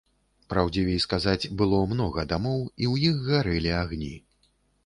Праўдзівей сказаць, было многа дамоў, і ў іх гарэлі агні.